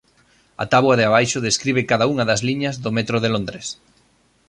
A táboa de abaixo describe cada unha das liñas do metro de Londres.